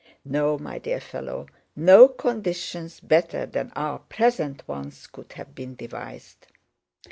No, my dear fellow, no conditions better than our present ones could have been devised.